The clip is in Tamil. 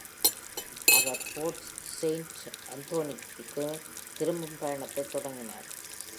அவர் Fort Saint Anthony-க்குத் திரும்பும் பயணத்தைத் தொடங்கினார்.